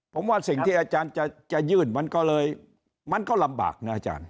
ผมว่าสิ่งที่อาจารย์จะยื่นมันก็เลยมันก็ลำบากนะอาจารย์